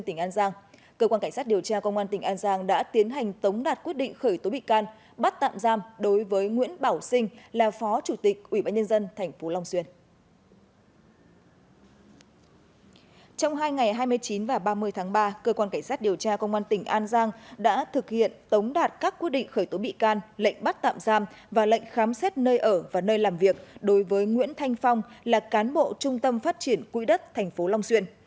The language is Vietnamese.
trong hai ngày hai mươi chín và ba mươi tháng ba cơ quan cảnh sát điều tra công an tỉnh an giang đã thực hiện tống đạt các quyết định khởi tố bị can lệnh bắt tạm giam và lệnh khám xét nơi ở và nơi làm việc đối với nguyễn thanh phong là cán bộ trung tâm phát triển quỹ đất tp long xuyên